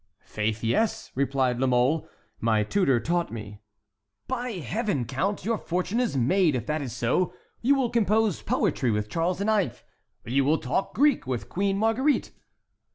"Faith, yes," replied La Mole, "my tutor taught me." "By Heaven! count, your fortune is made if that is so; you will compose poetry with Charles IX. and you will talk Greek with Queen Marguerite!"